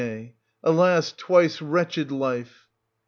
Alas, twice 330 wretched life